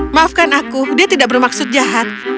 maafkan aku dia tidak bermaksud jahat